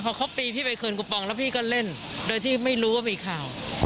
พอครบปีพี่ไปคืนกูปองแล้วพี่ก็เล่นโดยที่ไม่รู้ว่ามีข่าว